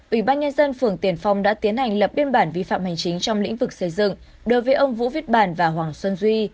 ủy ban nhân dân phường tiền phong đã tiến hành lập biên bản vi phạm hành chính trong lĩnh vực xây dựng đối với ông vũ viết bản và hoàng xuân duy